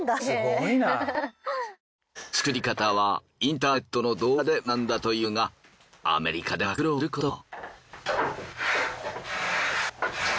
つくり方はインターネットの動画で学んだというがアメリカでは苦労することも。